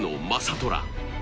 虎。